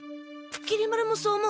きり丸もそう思う？